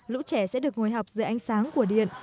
lũ trẻ sẽ được ngồi học dưới ánh sáng của điện